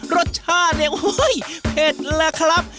รสชาติเนี่ยเฮ้ยเผ็ดแหละครับ